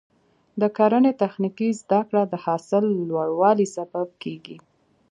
د کرنې تخنیکي زده کړه د حاصل لوړوالي سبب کېږي.